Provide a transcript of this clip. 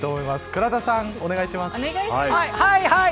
倉田さん、お願いします。